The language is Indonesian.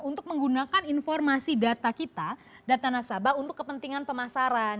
untuk menggunakan informasi data kita data nasabah untuk kepentingan pemasaran